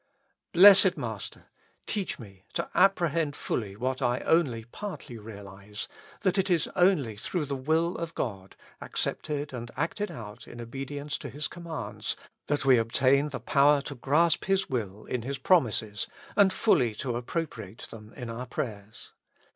Blessed Master ! teach me to apprehend fully what I only partly realize, that it is only through the will of God, accepted and acted out in obedience to His commands, that we obtain the power to grasp His will in His promises and fully to appropriate them in our prayers.